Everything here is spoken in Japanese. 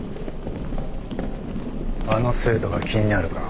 ・あの生徒が気になるか？